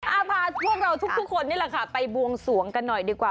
พาพวกเราทุกคนนี่แหละค่ะไปบวงสวงกันหน่อยดีกว่า